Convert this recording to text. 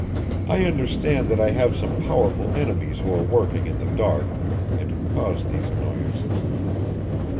I understand that I have some powerful enemies who are working in the dark, and who cause these annoyances.